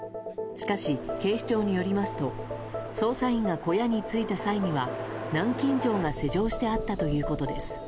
しかし、警視庁によりますと捜査員が小屋に着いた際には南京錠が施錠してあったということです。